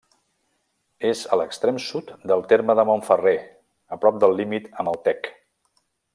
És a l'extrem sud del terme de Montferrer, a prop del límit amb el Tec.